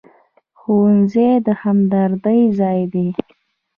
ښوونځی د همدرۍ ځای دی